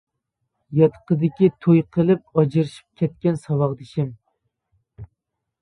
ياتىقىدىكى توي قىلىپ ئاجرىشىپ كەتكەن ساۋاقدىشى.